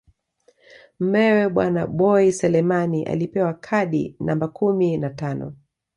Mumewe bwana Boi Selemani alipewa kadi namba kumi na tano